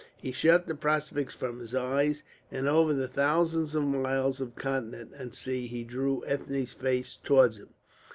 He shut the prospect from his eyes, and over the thousands of miles of continent and sea he drew Ethne's face towards him.